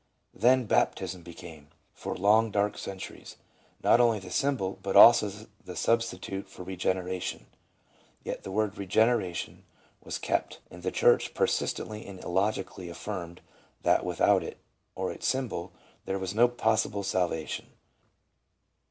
Then baptism became, for long dark centuries, not only the symbol, but also the sub stitute for regeneration. Yet the word Eegeneration was kept, and the church persistently and illogically affirmed that without it — or its symbol — there was no possible salvation.